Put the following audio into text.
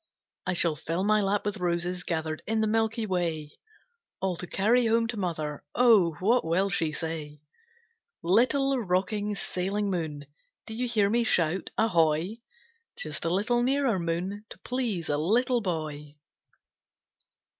I shall fill my lap with roses Gathered in the milky way, All to carry home to mother. Oh! what will she say! Little rocking, sailing moon, Do you hear me shout Ahoy! Just a little nearer, moon, To please a little boy.